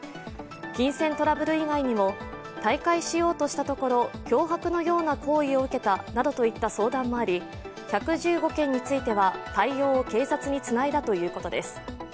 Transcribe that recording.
金銭トラブル以外にも、退会しようとしたところ、脅迫のような行為を受けたなどといった相談もあり１１５件については対応を警察につないだということです。